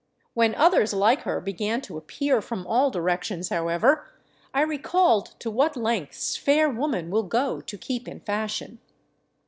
When others Hke her began to appear from all directions, however, I recalled to what lengths fair woman will go to keep in fashion.